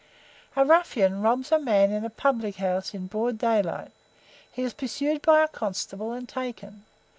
"A ruffian robs a man in a public house, in broad daylight. He is pursued by a constable and taken.